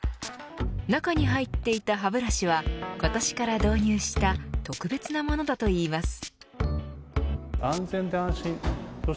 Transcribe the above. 中に入っていた歯ブラシは今年から導入した特別なものだといいます。